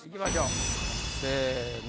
せの！